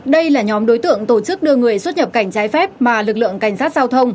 đây là nhóm đối tượng tổ chức đưa người xuất nhập cảnh trái phép mà lực lượng cảnh sát giao thông